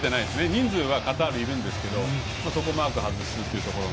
人数はカタールいるんですけどそこのマークを外すところ。